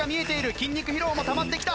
筋肉疲労もたまってきた。